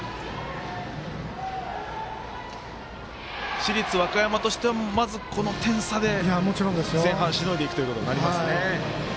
市立和歌山としてはまず、この点差で前半しのいでいくということになりますね。